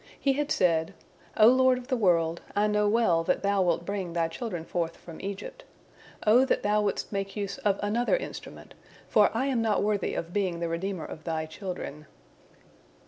He had said: "O Lord of the world, I know well that Thou wilt bring Thy children forth from Egypt. O that Thou wouldst make use of another instrument, for I am not worthy of being the redeemer of Thy children."